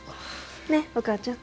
ねっお母ちゃん。